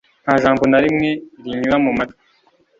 Nta jambo na rimwe rinyura mumatwi